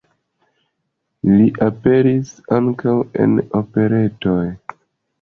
Li aperis ankaŭ en operetoj.